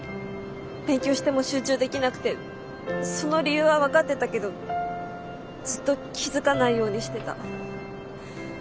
勉強しても集中できなくてその理由は分かってたけどずっと気付かないようにしてた。